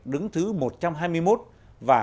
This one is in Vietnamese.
đứng thứ một trăm hai mươi một và